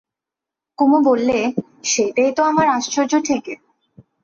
কুমু বললে, সেইটেই তো আমার আশ্চর্য ঠেকে।